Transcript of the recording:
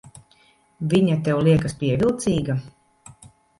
Viņa tev liekas pievilcīga?